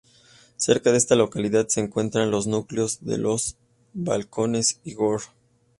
Cerca de esta localidad se encuentran los núcleos de Los Balcones y Gor.